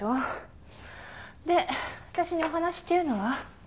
で私にお話っていうのは？